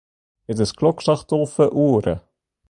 It is klokslach tolve oere.